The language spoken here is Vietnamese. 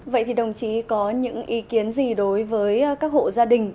vậy thì đồng chí có những ý kiến gì đối với các hộ gia đình